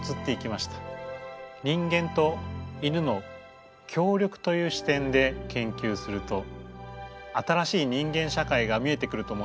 人間と犬の協力という視点で研究すると新しい人間社会が見えてくると思ってます。